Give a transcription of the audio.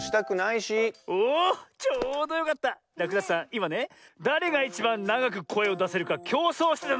いまねだれがいちばんながくこえをだせるかきょうそうしてたのよ。